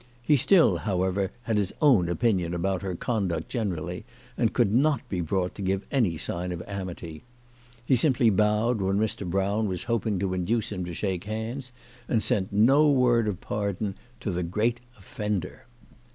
He still, however, had his own opinion about her conduct gene rally, and could not be brought to give any sign of amity. He simply bowed when Mr. Brown was hoping to induce him to shake hands, and sent no word of pardon to the great offender.